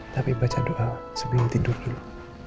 tapi baca doa sebelum tidur dulu